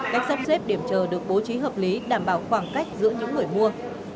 cách sắp xếp điểm chờ được bố trí hợp lý đảm bảo khoảng cách giữa những người mua